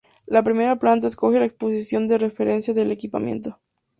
La primera planta acoge la exposición de referencia del equipamiento.